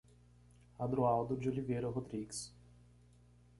Adroaldo de Oliveira Rodrigues